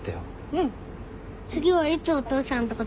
うん。